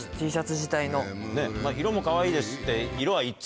「色もかわいい」って。